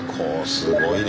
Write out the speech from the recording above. すごいね。